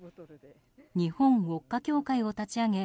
日本ウォッカ協会を立ち上げ